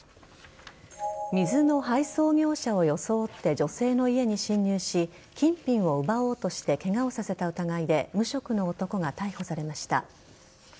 水の配送業者を装って女性の家に侵入し金品を奪おうとしてケガをさせた疑いで無職の男が逮捕されました。